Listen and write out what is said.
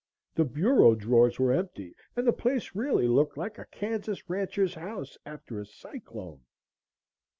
The bureau drawers were empty and the place really looked like a Kansas rancher's house after a cyclone.